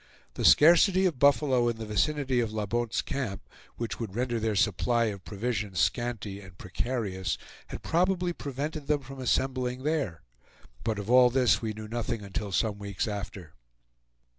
The scarcity of buffalo in the vicinity of La Bonte's Camp, which would render their supply of provisions scanty and precarious, had probably prevented them from assembling there; but of all this we knew nothing until some weeks after.